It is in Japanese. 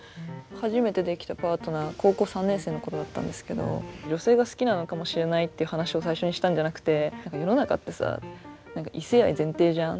初めてできたパートナー高校３年生の頃だったんですけど女性が好きなのかもしれないって話を最初にしたんじゃなくて「世の中ってさ異性愛前提じゃん。